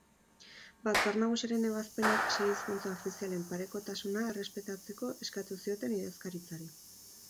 Batzar Nagusiaren ebazpenek sei hizkuntza ofizialen parekotasuna errespetatzeko eskatu zioten Idazkaritzari.